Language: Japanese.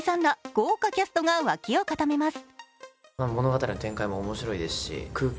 豪華キャストが脇を固めます。